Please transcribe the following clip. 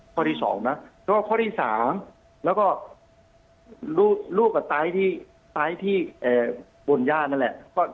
ข้อที่๒นะแล้วก็ข้อที่๓แล้วก็ลูกก็ตายที่บนย่านั่นแหละ